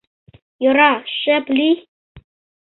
— Йӧра, шып лий.